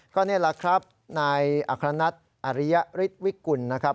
ก็นี่แหละครับนายอัครนัทอริยฤทธิวิกุลนะครับ